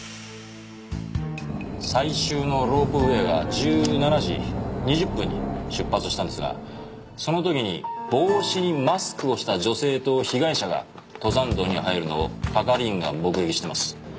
最終のロープウェイが１７時２０分に出発したんですがその時に帽子にマスクをした女性と被害者が登山道に入るのを係員が目撃してます。